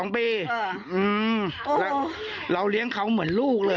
๒ปีแล้วเราเลี้ยงเขาเหมือนลูกเลย